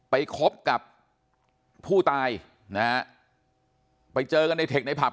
คบกับผู้ตายนะฮะไปเจอกันในเทคในผับ